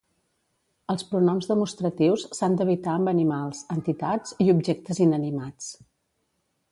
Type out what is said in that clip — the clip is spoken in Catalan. Els pronoms demostratius s'han d'evitar amb animals, entitats i objectes inanimats.